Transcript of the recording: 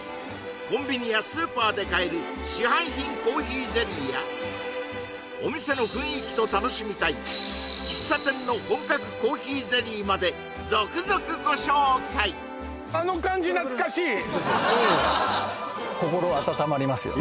コンビニやスーパーで買えるお店の雰囲気と楽しみたい喫茶店の本格コーヒーゼリーまで続々ご紹介心温まりますよね